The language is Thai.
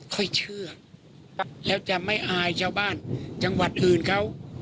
ค่อยเชื่อแล้วจะไม่อายชาวบ้านจังหวัดอื่นเขา